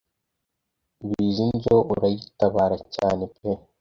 bizinzo urayitabara cyne pe